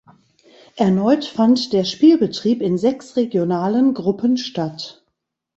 Erneut fand der Spielbetrieb in sechs regionalen Gruppen statt.